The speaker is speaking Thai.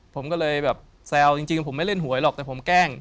ผมก็เลยแบบแซวจริงผมไม่เล่นหวยหรอกแต่ผมแกล้ง